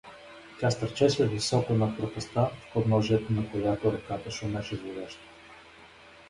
Тя стърчеше високо над пропастта, в подножието на която реката шумеше зловещо.